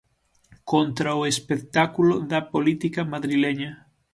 Contra o espectáculo da política madrileña.